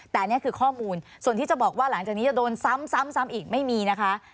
แต่อันนี้คือข้อมูลส่วนที่จะบอกว่าหลังจากนี้จะโดนซ้ำอีกไม่มีนะคะ